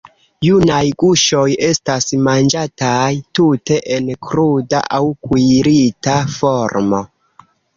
Junaj guŝoj estas manĝataj tute en kruda aŭ kuirita formo.